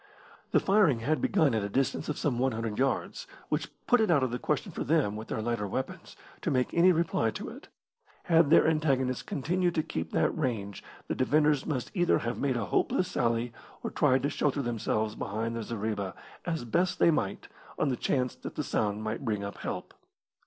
The firing had begun at a distance of some 100 yards, which put it out of the question for them, with their lighter weapons, to make any reply to it. Had their antagonists continued to keep that range the defenders must either have made a hopeless sally or tried to shelter themselves behind their zareba as best they might on the chance that the sound might bring up help.